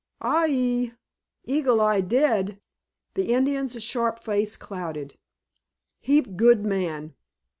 "Ai ee! Eagle Eye dead?" The Indian's sharp face clouded. "Heap good man."